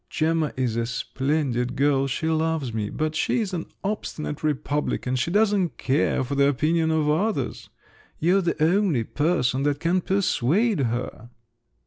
Gemma is a splendid girl, she loves me; but she's an obstinate republican, she doesn't care for the opinion of others. You're the only person that can persuade her!"